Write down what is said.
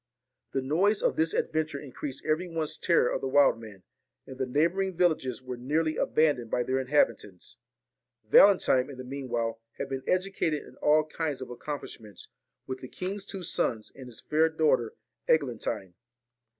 The noise of this adventure increased every one's terror of the wild man, and the neighbouring villages were nearly abandoned by their inhabitants. Valentine, in the meanwhile, had been educated in all kinds of accomplishments with the king's two sons and his fair daughter, Eglantine.